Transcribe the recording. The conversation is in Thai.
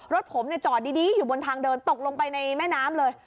รถผมจอดดีอยู่บนทางเดินตกลงไปในแม่น้ำเลย